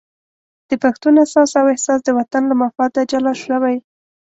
د پښتون اساس او احساس د وطن له مفاد جلا شوی.